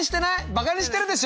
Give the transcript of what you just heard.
バカにしてるでしょ！